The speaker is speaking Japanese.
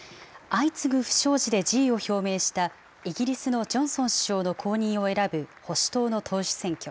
相次ぐ不祥事で辞意を表明したイギリスのジョンソン首相の後任を選ぶ保守党の党首選挙。